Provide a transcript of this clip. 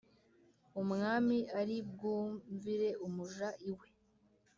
Umwami ari bwumvire umuja i we